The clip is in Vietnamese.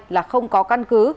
là không có căn cứ